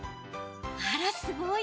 あら、すごい！